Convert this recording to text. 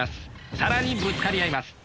更にぶつかり合います。